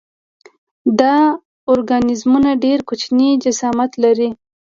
دا ارګانیزمونه ډېر کوچنی جسامت لري.